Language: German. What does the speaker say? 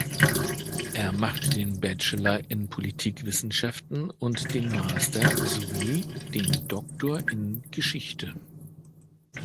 Er machte den Bachelor in Politikwissenschaften und den Master, sowie den Doktor in Geschichte.